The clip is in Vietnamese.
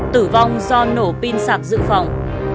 tử vong do nổ pin sạc dự phòng